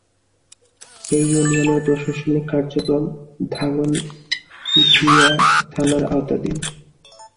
এ ইউনিয়নের প্রশাসনিক কার্যক্রম দাগনভূঞা থানার আওতাধীন।